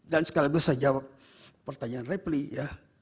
dan sekali lagi saya jawab pertanyaan reply ya